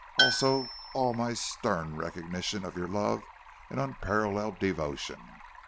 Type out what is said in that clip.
also all my stern recognition of your love and unparalleled devotion.